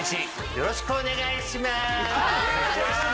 よろしくお願いします。